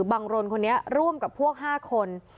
รนคนนี้ร่วมกับพวก๕คน